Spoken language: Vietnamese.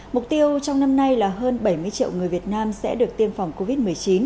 mục tiêu trong năm nay là hơn bảy mươi triệu người việt nam sẽ được tiêm phòng covid một mươi chín